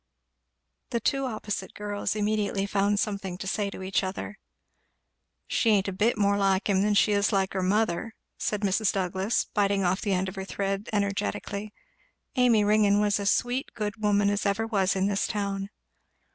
The two opposite girls immediately found something to say to each other. "She ain't a bit more like him than she is like her mother," said Mrs. Douglass, biting off the end of her thread energetically. "Amy Ringgan was a sweet good woman as ever was in this town."